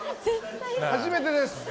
初めてです。